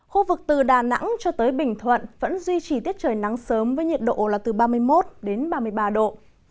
khu vực từ đà nẵng cho tới bình thuận vẫn duy trì tiết trời nắng sớm với nhiệt độ là từ ba mươi một đến ba mươi ba độ